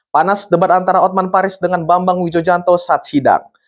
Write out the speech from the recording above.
panas debat antara otman paris dengan bambang wijojanto saat sidang